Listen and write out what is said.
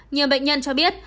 nhiều bệnh nhân cho biết